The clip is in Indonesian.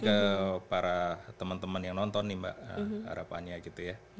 ke para teman teman yang nonton nih mbak harapannya gitu ya